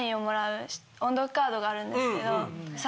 があるんですけど。